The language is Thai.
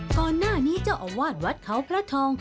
ก่อนหน้านี้เจ้าอาวาสวัดเขาพระทอง